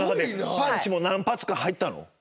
パンチも何発か入ったの？